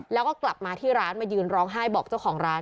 แล้วก็กลับมาที่ร้านมายืนร้องไห้บอกเจ้าของร้าน